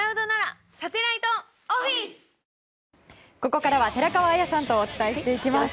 ここからは寺川綾さんとお伝えしていきます。